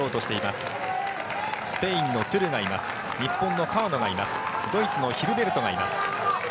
ドイツのヒルベルトがいます。